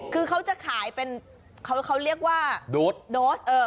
คือเขาจะขายเป็นเขาเรียกว่าโดส